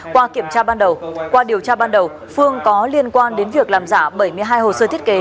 qua kiểm tra ban đầu qua điều tra ban đầu phương có liên quan đến việc làm giả bảy mươi hai hồ sơ thiết kế